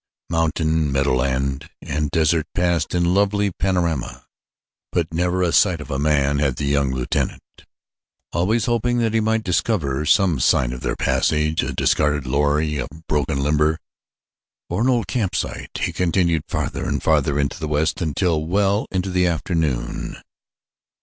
Mountain, meadowland, and desert passed in lovely panorama; but never a sight of man had the young lieutenant. Always hoping that he might discover some sign of their passage a discarded lorry, a broken limber, or an old camp site he continued farther and farther into the west until well into the afternoon.